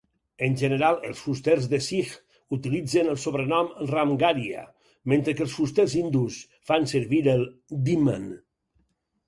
En general, els fusters de sikh utilitzen el sobrenom "Ramgarhia", mentre que els fusters hindús fan servir el "Dhiman".